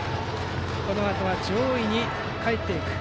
このあとは上位にかえっていく。